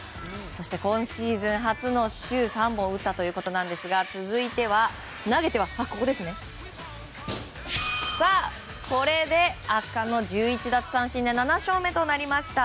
そして今シーズン初週３本打ったということですが続いて、投げては圧巻の１１奪三振で７勝目となりました。